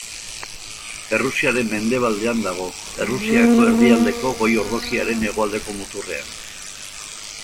Errusiaren mendebaldean dago, Errusiako erdialdeko goi-ordokiaren hegoaldeko muturrean.